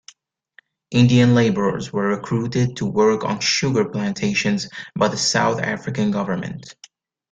Indian laborers were recruited to work on sugar plantations by the South African government.